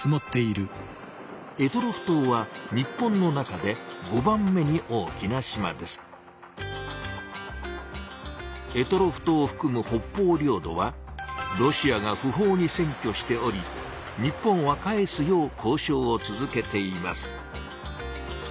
択捉島は択捉島をふくむ北方領土はロシアが不法に占拠しており日本は返すよう交しょうを続けています。